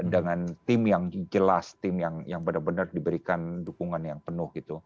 dengan tim yang jelas tim yang benar benar diberikan dukungan yang penuh gitu